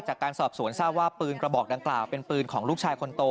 จากการสอบสวนทราบว่าปืนกระบอกดังกล่าวเป็นปืนของลูกชายคนโต